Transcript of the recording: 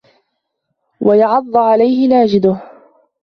وَيَعَضَّ عَلَيْهِ نَاجِذَهُ